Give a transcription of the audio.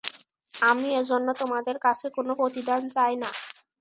আমি এ জন্যে তোমাদের কাছে কোন প্রতিদান চাই না।